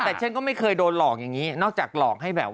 แต่ฉันก็ไม่เคยโดนหลอกอย่างนี้นอกจากหลอกให้แบบ